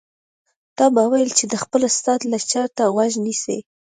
تا به ويل چې د خپل استاد لکچر ته غوږ نیسي.